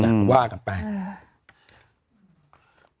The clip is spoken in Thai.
นะฮะอืมว่ากลับไปอ่า